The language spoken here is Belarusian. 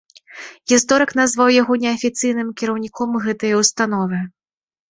Гісторык назваў яго неафіцыйным кіраўніком гэтае ўстановы.